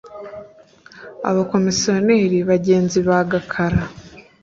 Abakomisiyoneri bagenzi ba Gakara